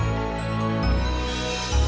suara suara pukul yang